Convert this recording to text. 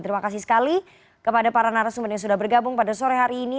terima kasih sekali kepada para narasumber yang sudah bergabung pada sore hari ini